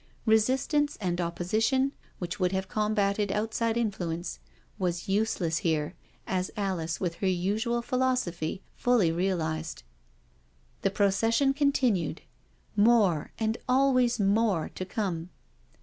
Resistance and opposition, which would have combated outside influence, was useless here, as Alice, with her usual philosophy, fully realised. THE PASSING OF THE WOMEN 325 The procession continued— more, and always more, to come.